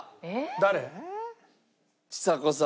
誰？